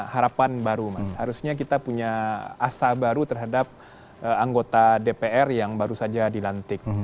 harapan baru mas harusnya kita punya asa baru terhadap anggota dpr yang baru saja dilantik